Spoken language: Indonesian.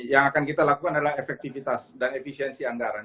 yang akan kita lakukan adalah efektivitas dan efisiensi anggaran